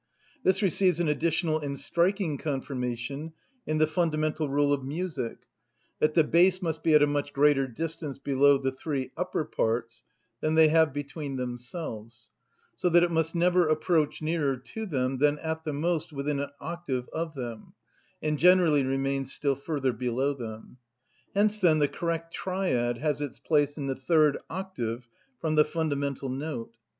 This receives an additional and striking confirmation in the fundamental rule of music, that the bass must be at a much greater distance below the three upper parts than they have between themselves; so that it must never approach nearer to them than at the most within an octave of them, and generally remains still further below them. Hence, then, the correct triad has its place in the third octave from the fundamental note.